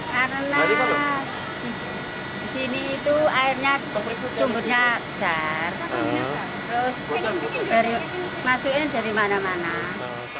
karena di sini airnya sumbernya besar terus masukin dari mana mana